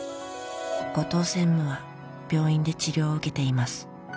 「後藤専務は病院で治療を受けています」